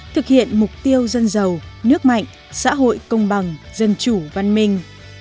thực hiện mục tiêu dân giàu nước mạnh xã hội công bằng dân chủ văn minh